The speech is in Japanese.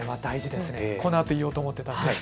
このあと言おうと思っていたんです。